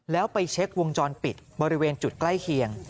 แล้วไปเช็ควงจรปิดบริเวณจุดใกล้เคียง